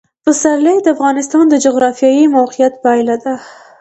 پسرلی د افغانستان د جغرافیایي موقیعت پایله ده.